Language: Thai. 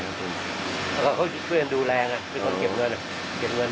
เขาช่วยดูแลงอะมีคนเก็บเงิน